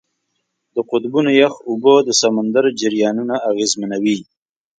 د قطبونو یخ اوبه د سمندر جریانونه اغېزمنوي.